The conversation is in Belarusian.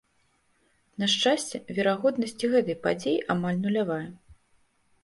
На шчасце, верагоднасць і гэтай падзеі амаль нулявая.